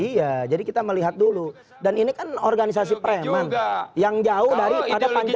iya jadi kita melihat dulu dan ini kan organisasi preman yang jauh daripada pancasila